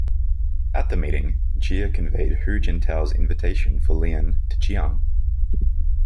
At the meeting, Jia conveyed Hu Jintao's invitation for Lien to Chiang.